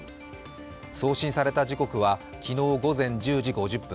送信された時刻は昨日午前１０時５０分。